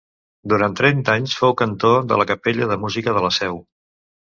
Durant trenta anys fou cantor de la Capella de Música de la Seu.